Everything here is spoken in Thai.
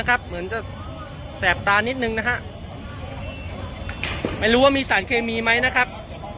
เหมือนจะแสบตานิดนึงนะฮะไม่รู้ว่ามีสารเคมีไหมนะครับ